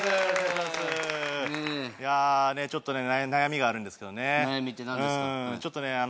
ちょっと悩みがあるんですけどね